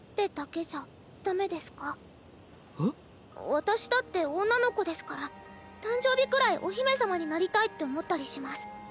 私だって女の子ですから誕生日くらいお姫様になりたいって思ったりします。